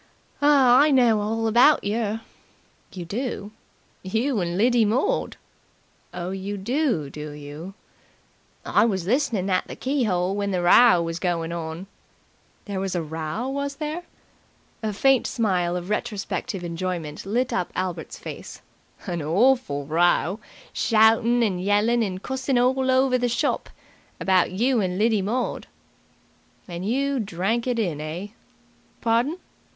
"I know all about yer." "You do?" "You and Lidy Mord." "Oh, you do, do you?" "I was listening at the key 'ole while the row was goin' on." "There was a row, was there?" A faint smile of retrospective enjoyment lit up Albert's face. "An orful row! Shoutin' and yellin' and cussin' all over the shop. About you and Lidy Maud." "And you drank it in, eh?" "Pardon?"